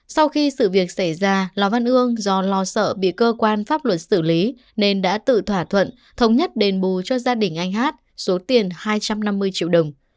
sau khi sự việc xảy ra lò văn ương do lo sợ bị cơ quan pháp luật xử lý nên đã tự thỏa thuận thống nhất đền bù cho gia đình anh hát số tiền hai trăm năm mươi triệu đồng